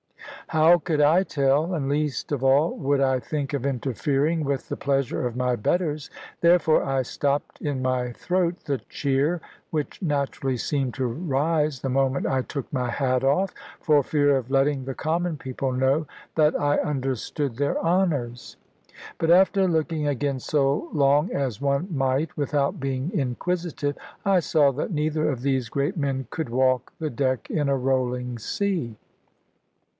How could I tell, and least of all would I think of interfering with the pleasure of my betters; therefore I stopped in my throat the cheer (which naturally seemed to rise the moment I took my hat off), for fear of letting the common people know that I understood their Honours. But after looking again so long as one might without being inquisitive, I saw that neither of these great men could walk the deck in a rolling sea.